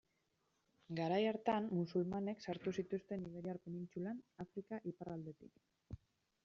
Garai hartan, musulmanek sartu zituzten Iberiar penintsulan, Afrika iparraldetik.